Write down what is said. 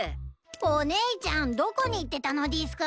おねいちゃんどこに行ってたのでぃすか？